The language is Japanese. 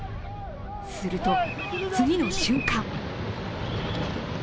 すると、次の瞬間。